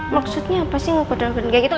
maksudnya apa sih gak ada ujian